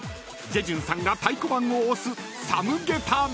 ［ジェジュンさんが太鼓判を押すサムゲタン］